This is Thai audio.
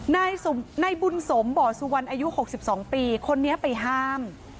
นายบุญสมบ่อสุวรรณอายุ๖๒ปีคนนี้ไปห้าม